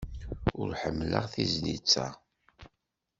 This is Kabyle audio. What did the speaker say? Ur ḥemmleɣ tizlit-a.